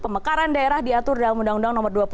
pemekaran daerah diatur dalam undang undang nomor dua puluh satu